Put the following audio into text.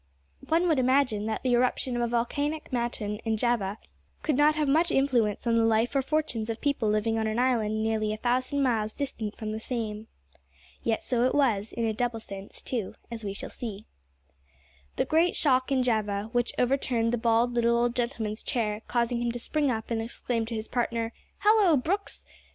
One would imagine that the eruption of a volcanic mountain in Java could not have much influence on the life or fortunes of people living on an island nearly a thousand miles distant from the same. Yet so it was, in a double sense, too, as we shall see. The great shock in Java, which overturned the bald little old gentleman's chair, causing him to spring up and exclaim to his partner, "Hallo, Brooks!"